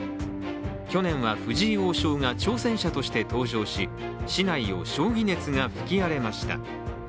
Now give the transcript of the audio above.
去年は藤井王将が挑戦者として登場し市内を将棋熱が吹き荒れました。